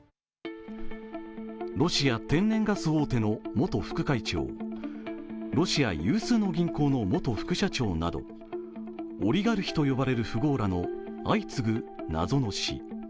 ロシア天然ガス大手の元副会長、ロシア有数の銀行の元副社長などオリガルヒと呼ばれる富豪らの相次ぐ謎の死。